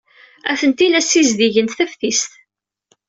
Atenti la ssizdigent taftist.